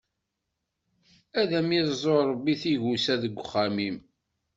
Ad am-iẓẓu Ṛebbi tigusa deg uxxam-im!